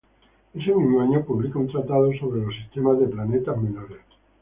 Ese mismo año publica un tratado sobre el sistema de planetas menores.